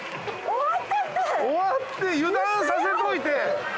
終わって油断させといて。